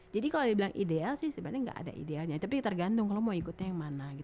jadi kalau dibilang ideal sih sebenarnya enggak ada idealnya tapi tergantung kalau mau ikutnya yang mana gitu